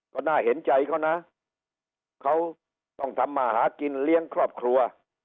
ก็น่าเห็นใจเขานะเขาต้องทำมาหากินเลี้ยงครอบครัว